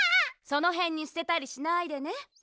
そのへんにすてたりしないでね。